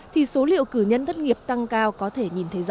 thì số liệu cử nhân thất nghiệp tăng cao có thể nhìn thấy rõ